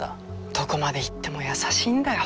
どこまでいっても優しいんだよ